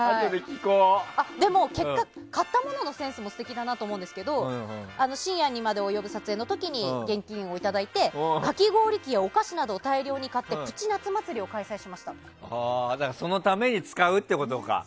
でも、買ったもののセンスも素敵だなと思うんですが深夜にまで及ぶ撮影の時に現金をいただいてかき氷機やお菓子などを大量に買ってそのために使うってことか。